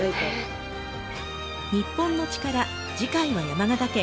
『日本のチカラ』次回は山形県。